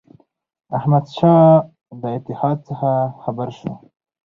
احمدشاه د اتحاد څخه خبر شو.